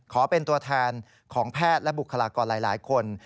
ขอเป็นตัวแทนของแพทย์และบุคลากรหลายคน